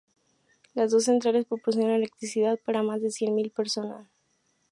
Las dos centrales proporcionan electricidad para más de cien mil personas.